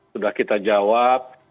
sudah kita jawab